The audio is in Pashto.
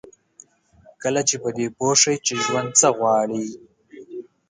کله چې په دې پوه شئ چې ژوند کې څه غواړئ.